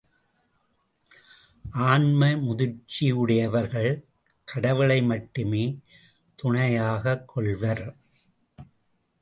ஆன்ம முதிர்ச்சியுடையவர்கள் கடவுளை மட்டுமே துணையாகக் கொள்வர்.